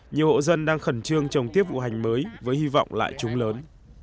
nhiều hộ dân đang khẩn trương trồng tiếp vụ hành mới với hy vọng lại trúng lớn